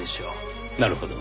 なるほど。